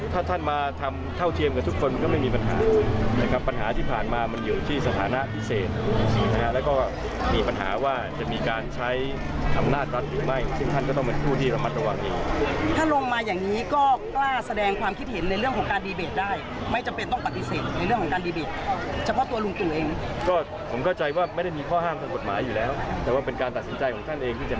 ดังนั้นผลเอกประยุจจึงต้องระมัดระวังค่ะ